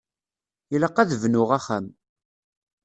Ilaq ad d-bnuɣ axxam.